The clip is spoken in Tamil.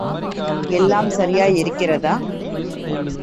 எல்லாம் சரியாய் இருக்கிறதா?